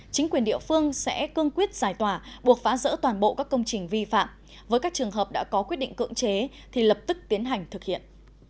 chính quyền địa phương sẽ cương quyết giải tỏa buộc phá rỡ toàn bộ các công trình vi phạm với các trường hợp đã có quyết định cưỡng chế thì lập tức tiến hành thực hiện